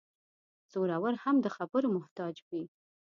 زورور هم د خبرو محتاج وي.